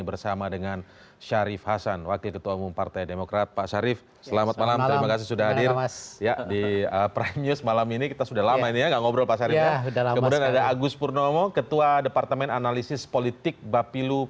pada jaya dihanan direktur eksekutif dari smrc selamat malam